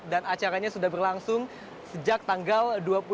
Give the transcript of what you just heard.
dan acaranya sudah berlangsung sejak tanggal dua puluh dua